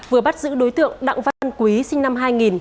vừa bắt giữ đối tượng đặng văn quý sinh năm hai nghìn